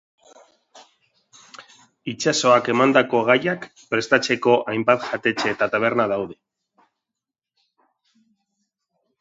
Itsasoak emandako gaiak prestatzeko hainbat jatetxe eta taberna daude.